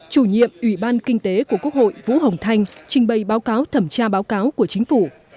chủ nhiệm ủy ban kinh tế của quốc hội vũ hồng thanh trình bày báo cáo thẩm tra báo cáo của chính phủ